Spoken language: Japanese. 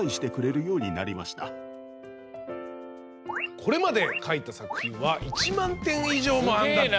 これまで描いた作品は１万点以上もあんだって。